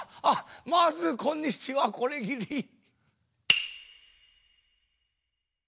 あっまずこんにちはこれぎり。